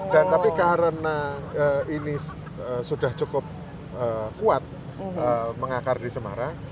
dan tapi karena ini sudah cukup kuat mengakar di semarang